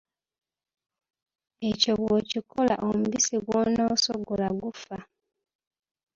Ekyo bw’okikola omubisi gw’onoosogola gufa.